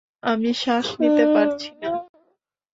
আমি শ্বাস নিতে পারছি না।